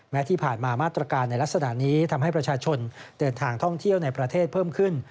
ที่ผ่านมามาตรการในลักษณะนี้ทำให้ประชาชนเดินทางท่องเที่ยวในประเทศเพิ่มขึ้น